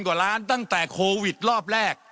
กว่าล้านตั้งแต่โควิดรอบแรก